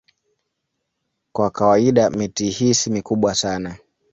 Kwa kawaida miti hii si mikubwa sana.